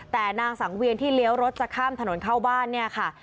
แต่นางสังเวียนที่เลี้ยวรถจะข้ามถนนเข้าบ้านเนี่ยค่ะ